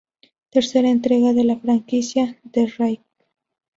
Tercera entrega de la franquicia ""The Ring"".